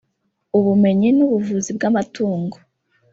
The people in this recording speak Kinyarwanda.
Ubumenyi n’Ubuvuzi bw’Amatungo